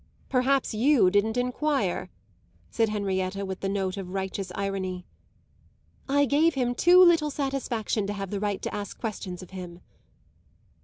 "Perhaps you didn't enquire," said Henrietta with the note of righteous irony. "I gave him too little satisfaction to have the right to ask questions of him."